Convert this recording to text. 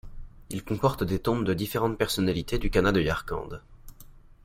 Il comporte des tombes de différentes personnalités du Khanat de Yarkand.